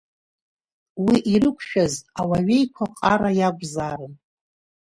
Уи ирықәшәаз Ауаҩ-еиқәа Ҟара иакәзаарын.